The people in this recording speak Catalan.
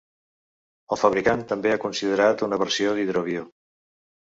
El fabricant també ha considerat una versió d'hidroavió.